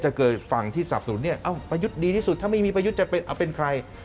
เกิดฝั่งที่สับสนุนเนี่ยเอ้าประยุทธ์ดีที่สุดถ้าไม่มีประยุทธ์จะเป็นใคร